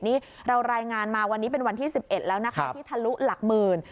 นี่เรารายงานมาวันนี้เป็นวันที่๑๑แล้วนะคะที่ทะลุหลักหมื่น